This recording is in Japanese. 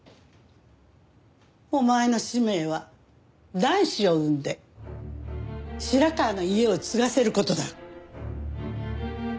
「お前の使命は男子を産んで白河の家を継がせる事だ」。